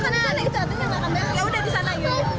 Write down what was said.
ya udah disana